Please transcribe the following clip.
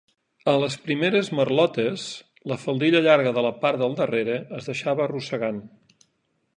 A les primeres marlotes, la faldilla llarga de la part del darrere es deixava arrossegant.